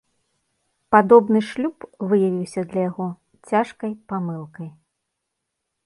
Падобны шлюб выявіўся для яго цяжкай памылкай.